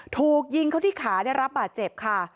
ถูกยิงเขาที่ขาได้รับบาดเจ็บค่ะ